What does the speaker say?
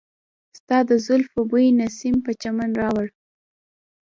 ستا د زلفو بوی نسیم په چمن راوړ.